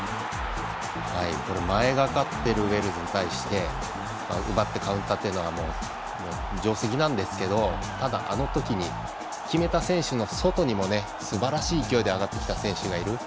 前がかっているウェールズに対して奪ってカウンターというのは定石なんですけどただ、あの時に決めた選手の外にもすばらしい勢いで上がってきた選手がいる。